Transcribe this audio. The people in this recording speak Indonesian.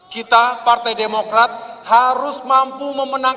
ketika kita menang